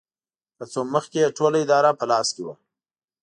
که څه هم مخکې یې ټوله اداره په لاس کې وه.